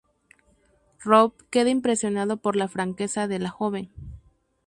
Robb queda impresionado por la franqueza de la joven.